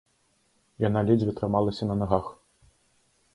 Яна ледзьве трымалася на нагах.